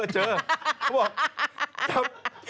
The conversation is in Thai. เขาบอก